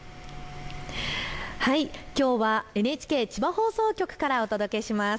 きょうはＮＨＫ千葉放送局からお届けします。